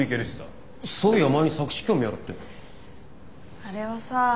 あれはさ